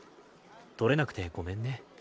取れなくてごめんね。